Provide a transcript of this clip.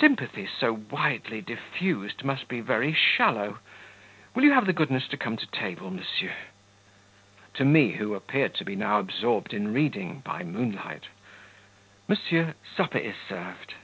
"Sympathies so widely diffused must be very shallow: will you have the goodness to come to table. Monsieur" (to me who appeared to be now absorbed in reading by moonlight) "Monsieur, supper is served."